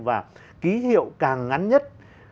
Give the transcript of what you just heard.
và ký hiệu càng ngắn nhất